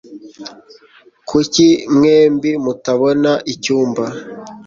Kuki mwembi mutabona icyumba?